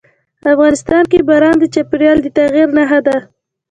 افغانستان کې باران د چاپېریال د تغیر نښه ده.